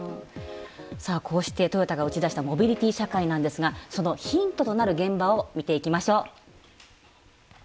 さあこうしてトヨタが打ち出したモビリティ社会なんですがそのヒントとなる現場を見ていきましょう。